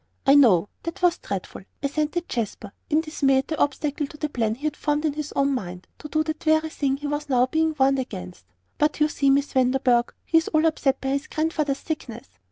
"I know that was dreadful," assented Jasper, in dismay at the obstacle to the plan he had formed in his own mind, to do that very thing he was now being warned against. "But you see, Miss Vanderburgh, he's all upset by his Grandfather's sickness."